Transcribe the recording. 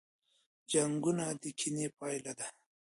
جنګونه د کینې پایله ده.